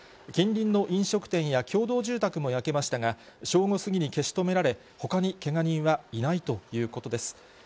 近隣の飲食店や共同住宅も焼けましたが、正午過ぎに消し止められ、ほかにけが人はいないということです。